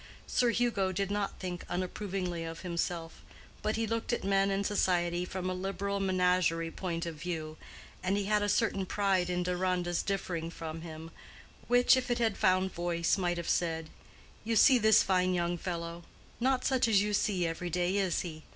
Sir Hugo did not think unapprovingly of himself; but he looked at men and society from a liberal menagerie point of view, and he had a certain pride in Deronda's differing from him, which, if it had found voice, might have said—"You see this fine young fellow—not such as you see every day, is he?